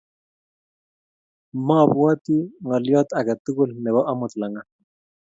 Mabwati ngalyo age tukul nebo amut langat